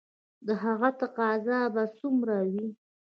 د هغه تقاضا به څومره وي؟